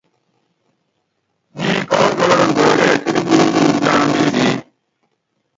Yiik ɔ́píkɔ́lɔn kuɛ́kɛt é tubuny tuukútán pesée.